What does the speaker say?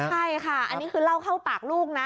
ใช่ค่ะอันนี้คือเล่าเข้าปากลูกนะ